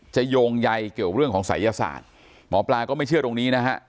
โยงใยเกี่ยวเรื่องของศัยศาสตร์หมอปลาก็ไม่เชื่อตรงนี้นะฮะ